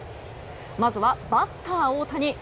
まずはバッター大谷。